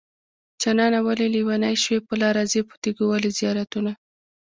جانانه ولې لېونی شوې په لاره ځې په تيګو ولې زيارتونه